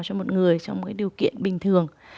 cho một người trong điều kiện bình thường